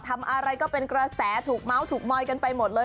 ทำอะไรก็เป็นกระแสถูกเมาส์ถูกมอยกันไปหมดเลย